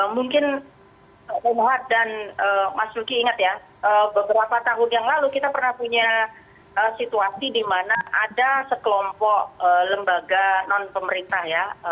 mungkin renhard dan mas luki ingat ya beberapa tahun yang lalu kita pernah punya situasi di mana ada sekelompok lembaga non pemerintah ya